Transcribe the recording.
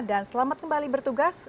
dan selamat kembali bertugas